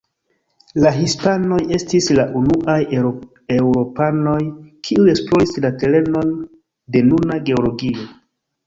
La hispanoj estis la unuaj eŭropanoj, kiuj esploris la terenon de nuna Georgio.